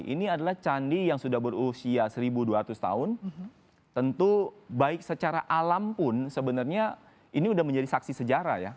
ini adalah candi yang sudah berusia satu dua ratus tahun tentu baik secara alam pun sebenarnya ini sudah menjadi saksi sejarah ya